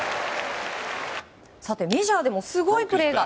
メジャーでもすごいプレーが。